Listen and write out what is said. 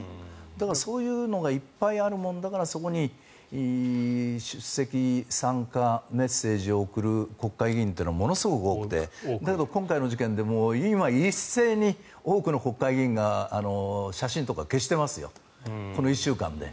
だからそういうのがいっぱいあるものだからそこに出席、参加メッセージを送る国会議員っていうのはものすごく多くてだけど今回の事件でも今、一斉に多くの国会議員が写真とか消してますよこの１週間で。